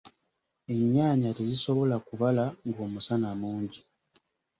Ennyaanya tezisobola kubala ng'omusana mungi.